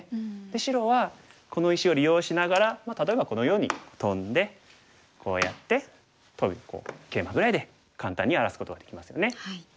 で白はこの石を利用しながら例えばこのようにトンでこうやってトビにケイマぐらいで簡単に荒らすことができますよね。